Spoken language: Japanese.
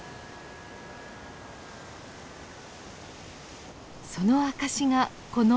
その証しがこの石。